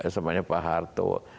sepanjang pak harto